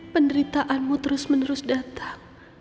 penderitaanmu terus menerus datang